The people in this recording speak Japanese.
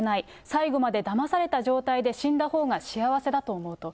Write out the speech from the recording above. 最後までだまされた状態で死んだほうが幸せだと思うと。